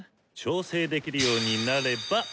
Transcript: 調整できるようになれば！